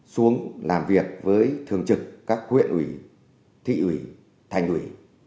xuống làm việc với thường trực các huyện ủy thị ủy thành ủy